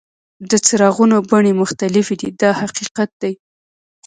د څراغونو بڼې مختلفې دي دا حقیقت دی.